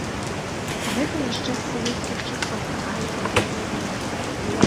Гэта яшчэ з савецкіх часоў такая традыцыя.